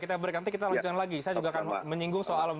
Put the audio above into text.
nanti kita lanjutkan lagi saya juga akan menyinggung soal